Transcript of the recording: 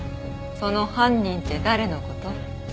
その犯人って誰の事？